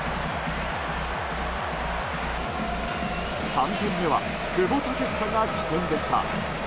３点目は久保建英が起点でした。